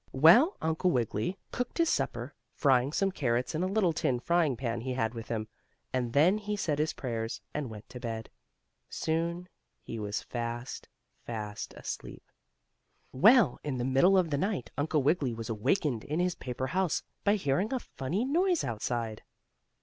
Well, Uncle Wiggily cooked his supper, frying some carrots in a little tin frying pan he had with him, and then he said his prayers, and went to bed. Soon he was fast, fast asleep. Well, in the middle of the night, Uncle Wiggily was awakened in his paper house by hearing a funny noise outside.